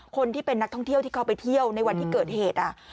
คนที่เป็นนักท่องเที่ยวที่เขาไปเที่ยวในวันที่เกิดเหตุ